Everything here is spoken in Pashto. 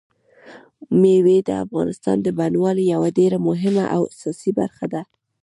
مېوې د افغانستان د بڼوالۍ یوه ډېره مهمه او اساسي برخه ده.